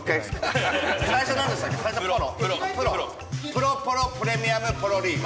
プロポロプレミアムポロリーグ。